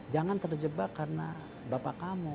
jangan terjebak karena bapak kamu